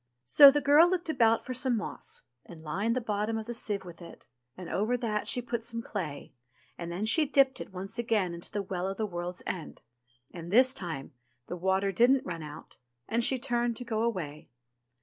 So the girl looked about for some moss, and lined the bottom of the sieve with it, and over that she put some clay, and then she dipped it once again into the Well of the World's End ; and this time, the water didn't run out, and she turned to go away.